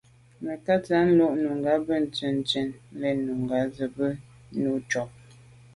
Mə̀kát jɔ́ tɔ̀ɔ́ lá’ nùngà bú tɛ̀ɛ́n ndzjə́ə̀k nə̀ lɛ̀ɛ́n nùngá zə́ bú nùú cúp.